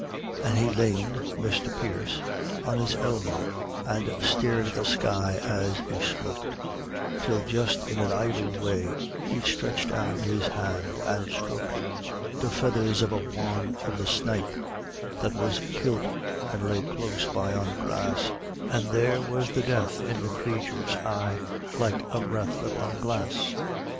An' he laned Misther Pierce on his elbow, an' stared at the sky as he smoked, Till just in an idle way he sthretched out his hand an' sthroked The feathers o' wan of the snipe that was kilt an' lay close by on the grass; An' there was the death in the crathur's eyes like a breath upon glass.